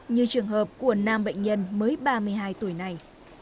như trường hợp của nam bệnh nhân mới ba mươi hai tuổi này